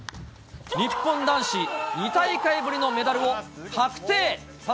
日本男子２大会ぶりのメダルを確定。